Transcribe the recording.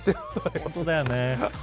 本当だよね。